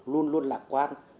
luôn luôn lạc quan